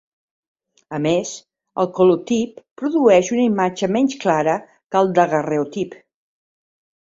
A més, el calotip produeix una imatge menys clara que el daguerreotip.